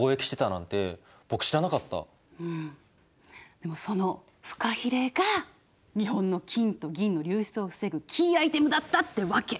でもそのフカヒレが日本の金と銀の流出を防ぐキーアイテムだったってわけ！